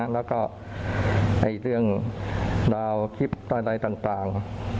แล้วก็เรื่องราวคลิปอะไรต่าง